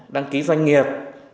đăng ký doanh nghiệp